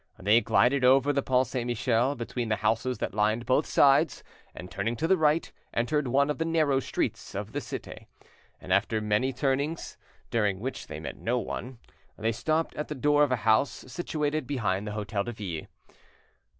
They glided over the Pont Saint Michel between the houses that lined both sides, and, turning to the right, entered one of the narrow streets of the Cite, and after many turnings, during which they met no one, they stopped at the door of a house situated behind the Hotel de Ville.